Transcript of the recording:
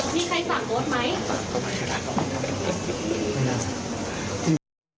มีใครสั่งให้โบ๊ทเอาเซอร์เวอร์ไปทิ้งไหมครับ